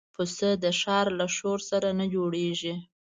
پسه د ښار له شور سره نه جوړيږي.